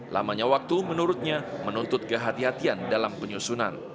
lamanya waktu menurutnya menuntut kehatian dalam penyusunan